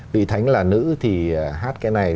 vị thánh là nữ thì hát cái này